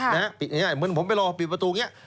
เหมือนผมไปรอปิดประตูเนี่ย